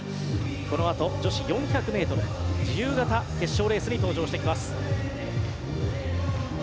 このあと、女子４００ｍ自由形決勝レースに登場してきます。